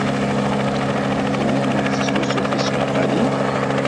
Tennummed tettlusud tismaqqalin?